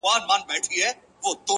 د عمل دوام شخصیت جوړوي